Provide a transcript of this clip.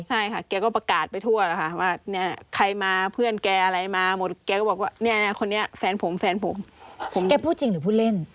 ใช่ค่ะตัวของเห็นแฟนสปาย